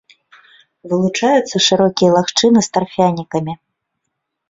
Вылучаюцца шырокія лагчыны з тарфянікамі.